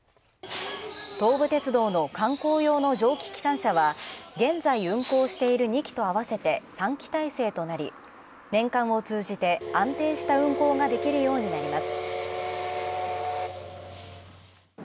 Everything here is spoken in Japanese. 東武鉄道の観光用の蒸気機関車は現在、運行している２機と合わせて３機体制となり、年間を通じて安定した運行ができるようになります。